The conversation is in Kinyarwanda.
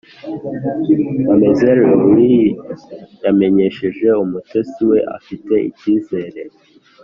mamzelle aurlie yamenyesheje umutetsi we afite icyizere